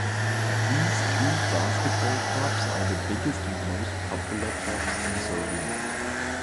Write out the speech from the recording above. These two basketball clubs are the biggest and most popular clubs in Serbia.